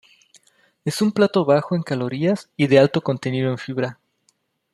Es un plato bajo en calorías y de alto contenido en fibra.